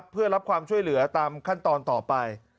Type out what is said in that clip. เพื่อรับความช่วยเหลือตามขั้นตอนต่อไป